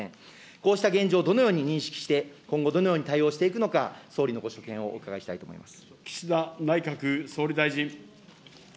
こうした現状をどのように認識して、今後、どのように対応していくのか、総理のご所見をお伺いし岸田内閣総理大臣。